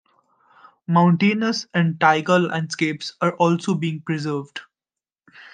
Mountainous and taiga landscapes are also being preserved.